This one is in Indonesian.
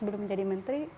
belum menjadi menteri